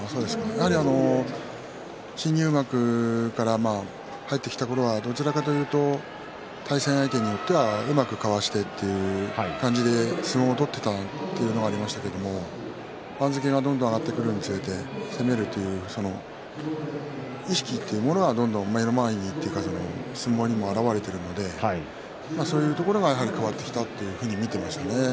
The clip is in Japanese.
やはり新入幕から入ってきたころにはどちらかというと対戦相手によってはうまくかわしてという感じで相撲を取っていたというのはありましたけれど番付がどんどん上がってくるにつれて攻めるという意識というのはどんどん相撲にも現れているのでそういうところがやはり変わってきたと見ていましたね。